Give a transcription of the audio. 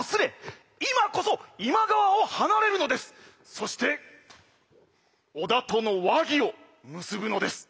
そして織田との和議を結ぶのです。